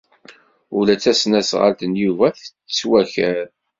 Ula d tasnasɣalt n Yuba tettwaker.